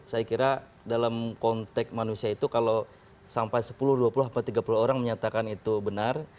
saya kira dalam konteks manusia itu kalau sampai sepuluh dua puluh tiga puluh orang menyatakan itu benar